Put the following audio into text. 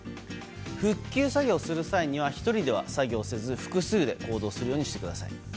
復旧作業をする際には１人では作業せず複数で行動するようにしてください。